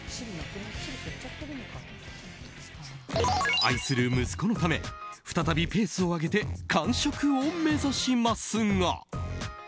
愛する息子のため再びペースを上げて完食を目指しますが。